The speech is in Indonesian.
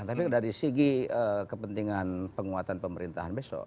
tapi dari segi kepentingan penguatan pemerintahan besok